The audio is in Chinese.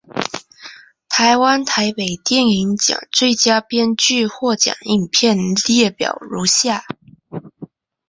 台湾台北电影奖最佳编剧获奖影片列表如下。